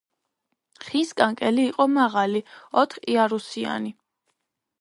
ხის კანკელი იყო მაღალი, ოთხიარუსიანი.